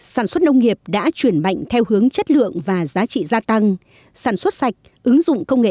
sản xuất nông nghiệp đã chuyển mạnh theo hướng chất lượng và giá trị gia tăng